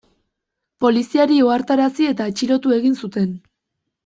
Poliziari ohartarazi eta atxilotu egin zuten.